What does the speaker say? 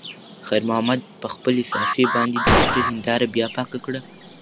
خیر محمد په خپلې صافې باندې د موټر هینداره بیا پاکه کړه.